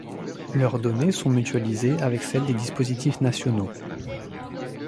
Leurs données sont mutualisées avec celles des dispositifs nationaux.